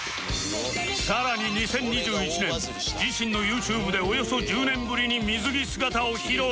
更に２０２１年自身のユーチューブでおよそ１０年ぶりに水着姿を披露